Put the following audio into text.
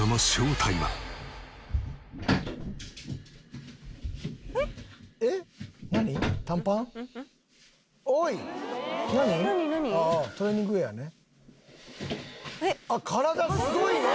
体すごいね！